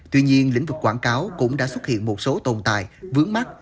tuy nhiên lĩnh vực quảng cáo cũng đã xuất hiện một số tồn tại vướng mắt